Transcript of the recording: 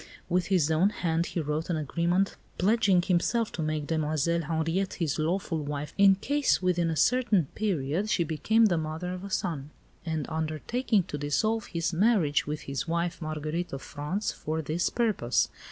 With his own hand he wrote an agreement pledging himself to make Demoiselle Henriette his lawful wife in case, within a certain period, she became the mother of a son; and undertaking to dissolve his marriage with his wife, Marguerite of France, for this purpose.